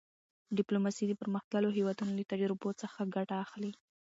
ډیپلوماسي د پرمختللو هېوادونو له تجربو څخه ګټه اخلي.